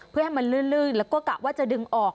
เพื่อให้มันลื่นแล้วก็กะว่าจะดึงออก